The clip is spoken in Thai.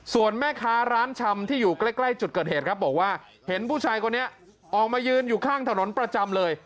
ส่วนแม่ค้าร้านชำที่อยู่ใกล้จุดเกิดเหตุครับบอกว่าเห็นผู้ชายคนนี้ออกมายืนอยู่ข้างถนนประจำเลย